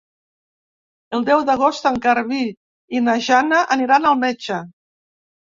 El deu d'agost en Garbí i na Jana aniran al metge.